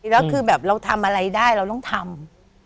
แล้วคือแบบเราทำอะไรได้เราต้องทำ